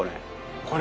これ。